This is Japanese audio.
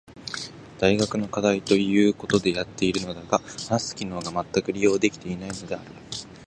大学の課題と言うことでやっているのだが話す機能がまったく利用できていないのである。